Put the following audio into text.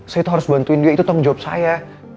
saya tuh harus bantuin dia itu tau ngejawab saya